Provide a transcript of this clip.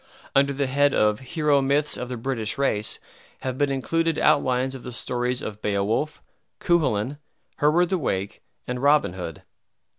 Under the head of "Hero Myths of the British Race" have been included outlines of the stories of Beowulf, Cuchulain, Hereward the Wake, and Robin Hood.